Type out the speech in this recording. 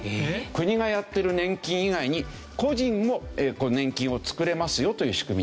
国がやってる年金以外に個人も年金を作れますよという仕組みです。